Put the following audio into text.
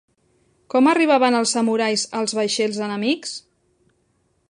Com arribaven els samurais als vaixells enemics?